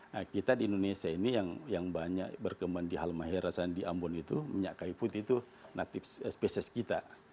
nah kita di indonesia ini yang banyak berkembang di halmaherasan di ambon itu minyak kayu putih itu natif spesies kita